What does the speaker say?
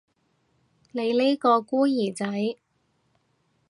你呢個孤兒仔